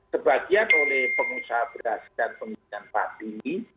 sebagian oleh pengusaha beras dan penggilingan padi